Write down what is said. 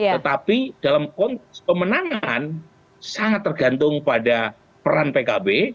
tetapi dalam pemenangan sangat tergantung pada peran pkb